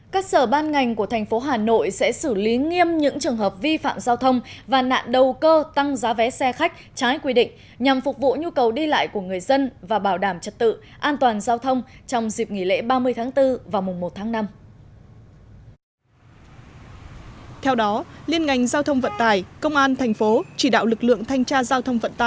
các sở ban ngành của thành phố hà nội sẽ xử lý nghiêm những trường hợp vi phạm giao thông và nạn đầu cơ tăng giá vé xe khách trái quy định nhằm phục vụ nhu cầu đi lại của người dân và bảo đảm chất tự an toàn giao thông trong dịp nghỉ lễ ba mươi tháng bốn và mùa một tháng năm